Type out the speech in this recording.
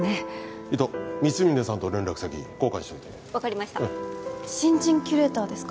伊藤光峯さんと連絡先交換しといて分かりました新人キュレーターですか？